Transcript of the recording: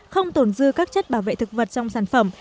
không tồn dư các chất bảo vệ thực vật trong sản phẩm